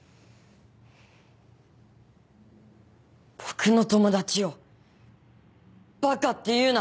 僕の友達をバカって言うな！